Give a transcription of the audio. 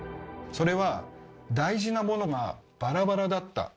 それは大事なものがバラバラだった。